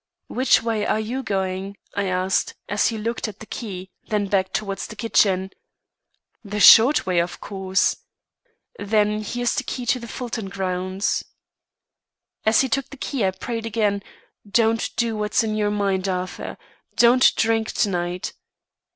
'Which way are you going?' I asked, as he looked at the key, then back towards the kitchen. 'The short way, of course,' 'Then here's the key to the Fulton grounds,' "As he took the key, I prayed again, 'Don't do what's in your mind, Arthur. Don't drink to night.